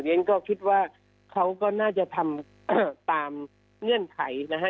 ฉันก็คิดว่าเขาก็น่าจะทำตามเงื่อนไขนะฮะ